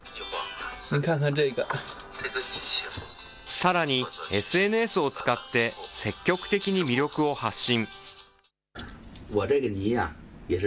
さらに、ＳＮＳを使って積極的に魅力を発信。